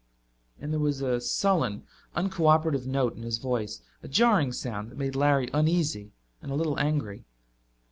And there was a sullen, uncooperative note in his voice, a jarring sound that made Larry uneasy and a little angry.